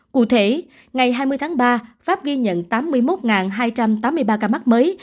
cụ thể ngày hai mươi tháng ba pháp ghi nhận tám mươi một hai trăm tám mươi ba ca mắc mới